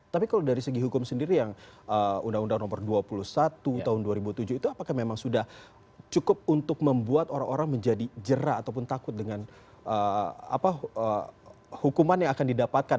tapi kalau dari segi hukum sendiri yang undang undang nomor dua puluh satu tahun dua ribu tujuh itu apakah memang sudah cukup untuk membuat orang orang menjadi jerah ataupun takut dengan hukuman yang akan didapatkan